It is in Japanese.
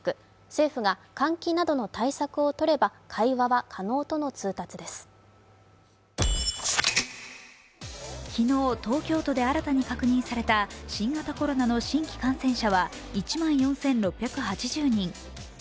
政府が、換気などの対策をとれば昨日東京都で新たに確認された新型コロナの新規感染者は１万４６８０人。